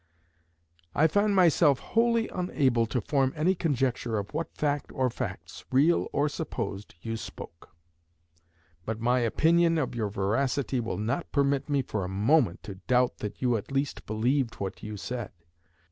I find myself wholly unable to form any conjecture of what fact or facts, real or supposed, you spoke. But my opinion of your veracity will not permit me for a moment to doubt that you at least believed what you said.